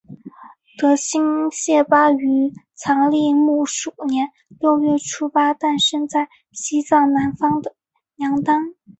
德新谢巴于藏历木鼠年六月初八诞生在西藏南方的娘当。